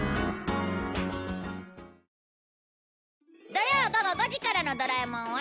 土曜午後５時からの『ドラえもん』は